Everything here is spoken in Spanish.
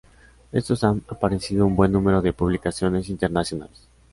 Estos han aparecido un buen número de publicaciones internacionales.